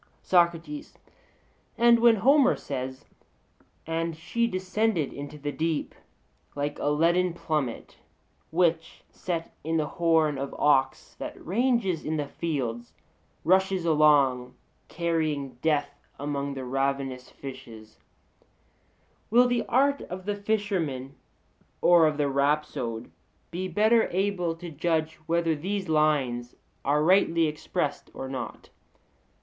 SOCRATES: And when Homer says, 'And she descended into the deep like a leaden plummet, which, set in the horn of ox that ranges in the fields, rushes along carrying death among the ravenous fishes (Il.),' will the art of the fisherman or of the rhapsode be better able to judge whether these lines are rightly expressed or not?